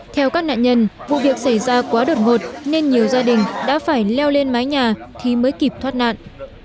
theo các nạn nhân vụ việc xảy ra quá đột ngột nên nhiều gia đình đã phải leo lên mái nhà thì mới kịp thoát nạn